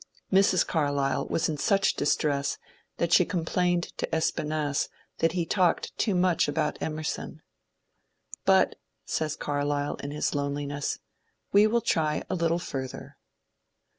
Mrs. Carlyle was in such distress that she complained to Espinasse that he talked too much about Emerson. " But," says Carlyle in his loneliness, " we will try a little further."